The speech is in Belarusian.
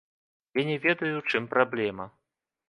Я не ведаю ў чым праблема.